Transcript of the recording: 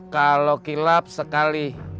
kalau kilap sekali